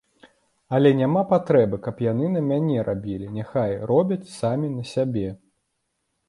Але няма патрэбы, каб яны на мяне рабілі, няхай робяць самі на сябе.